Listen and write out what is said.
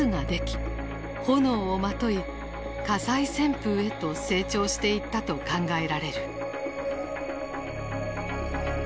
火災旋風へと成長していったと考えられる。